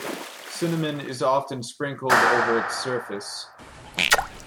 Cinnamon is often sprinkled over its surface.